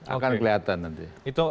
akan kelihatan nanti